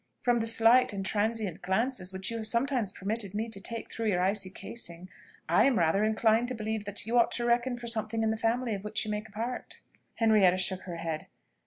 From the slight and transient glances which you have sometimes permitted me to take through your icy casing, I am rather inclined to believe that you ought to reckon for something in the family of which you make a part." Henrietta shook her head.